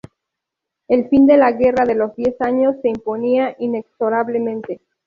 El fin de la Guerra de los Diez Años se imponía inexorablemente.